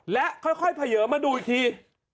และค่อยเผยมาดูอีกที